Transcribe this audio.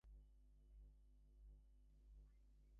A small part of Sopron county went to Vas county.